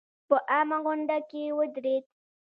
په عامه غونډه کې ودرېد.